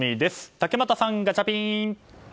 竹俣さん、ガチャピン。